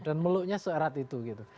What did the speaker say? dan meluknya seerat itu gitu